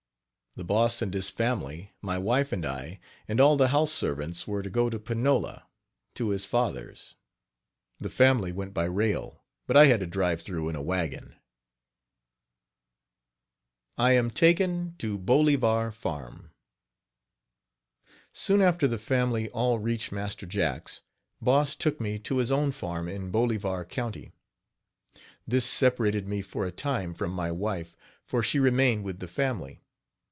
The Boss and his family, my wife and I, and all the house servants were to go to Panola, to his father's. The family went by rail, but I had to drive through in a wagon. I AM TAKEN TO BOLIVAR FARM. Soon after the family all reached Master Jack's, Boss took me to his own farm in Bolivar county. This separated me for a time from my wife, for she remained with the family.